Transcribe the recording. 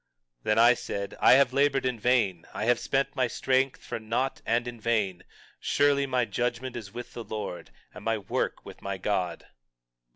21:4 Then I said, I have labored in vain, I have spent my strength for naught and in vain; surely my judgment is with the Lord, and my work with my God.